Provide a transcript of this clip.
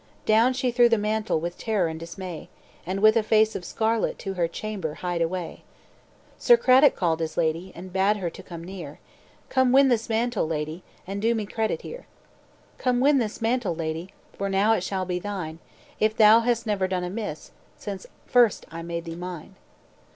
"Down she threw the mantle, With terror and dismay, And with a face of scarlet To her chamber hied away. "Sir Cradock called his lady, And bade her to come near: 'Come win this mantle, lady, And do me credit here: "'Come win this mantle, lady, For now it shall be thine, If thou hast never done amiss, Since first I made thee mine.'